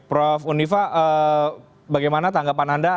prof unifa bagaimana tanggapan anda